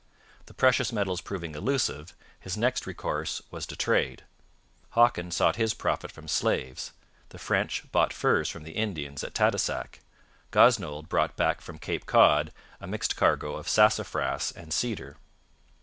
The precious metals proving illusive, his next recourse was to trade. Hawkins sought his profit from slaves. The French bought furs from the Indians at Tadoussac. Gosnold brought back from Cape Cod a mixed cargo of sassafras and cedar.